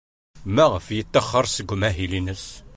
Maɣef ay yettaxer seg umahil-nnes?